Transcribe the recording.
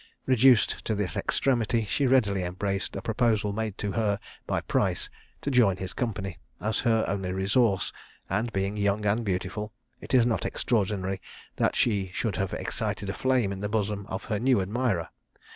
Reduced to this extremity, she readily embraced a proposal made to her by Price, to join his company, as her only resource; and being young and beautiful, it is not extraordinary that she should have excited a flame in the bosom of her new admirer.